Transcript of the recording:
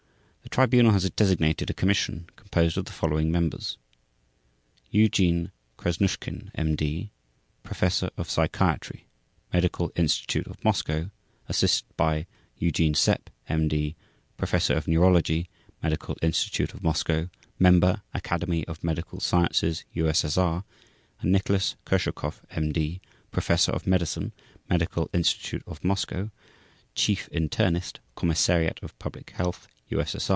The Tribunal has designated a commission composed of the following members: Eugene Krasnushkin, M.D., Professor of Psychiatry, Medical Institute of Moscow, assisted by Eugene Sepp, M.D., Professor of Neurology, Medical Institute of Moscow Member, Academy of Medical Sciences, U.S.S.R., and Nicolas Kurshakov, M.D., Professor of Medicine Medical Institute of Moscow Chief Internist, Commissariat of Public Health, U.S.